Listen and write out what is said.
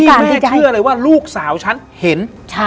ที่แม่เชื่อเลยว่ารุกสาวฉันเห็น